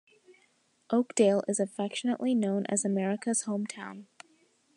Oakdale is affectionately known as "America's Home Town".